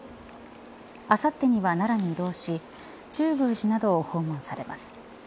あさってには奈良に移動し中宮寺などを訪問されます。